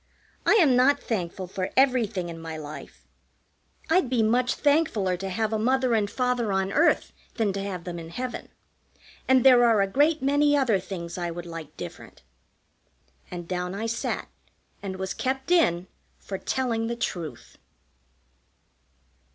"I am not thankful for everything in my life. I'd be much thankfuller to have a Mother and Father on earth than to have them in heaven. And there are a great many other things I would like different." And down I sat, and was kept in for telling the truth.